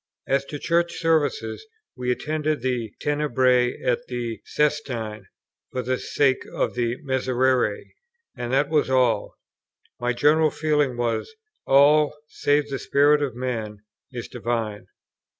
As to Church Services, we attended the Tenebræ, at the Sestine, for the sake of the Miserere; and that was all. My general feeling was, "All, save the spirit of man, is divine."